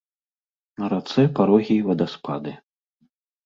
На рацэ парогі і вадаспады.